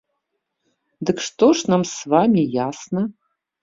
Дык што ж нам з вамі ясна?